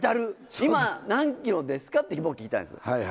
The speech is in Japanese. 今、何キロですかって僕聞いたんです。